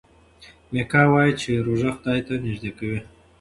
میکا وايي چې روژه خدای ته نژدې کوي.